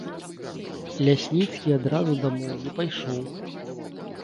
Лясніцкі адразу дамоў не пайшоў.